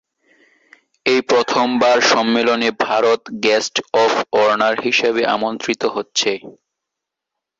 এই প্রথমবার সম্মেলনে ভারত গেস্ট অফ অনার হিসেবে আমন্ত্রিত হচ্ছে।